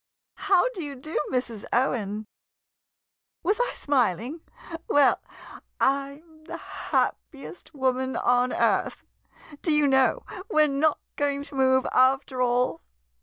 ] How do you do, Mrs. Owen ! Was I smiling? Well — I 'm the happiest woman on earth — do you know we're not going to move, after all?